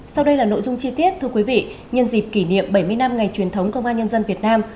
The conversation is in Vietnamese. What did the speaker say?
sau đây là nội dung chi tiết thưa quý vị nhân dịp kỷ niệm bảy mươi năm ngày truyền thống công an nhân dân việt nam